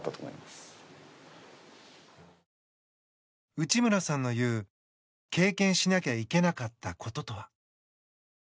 内村さんの言う経験しなきゃいけなかったこととは。